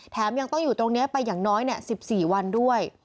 ยังต้องอยู่ตรงนี้ไปอย่างน้อย๑๔วันด้วย